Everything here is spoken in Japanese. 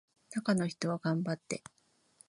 中の人は頑張って